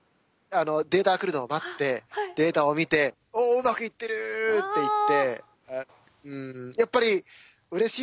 データが来るのを待ってデータを見ておっうまくいってるっていって。